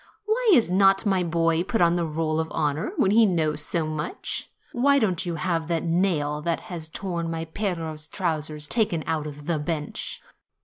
Why is not my boy put on the roll of honor, when he knows so much? Why don't you have that nail which tore my Piero's trousers taken out of the bench?"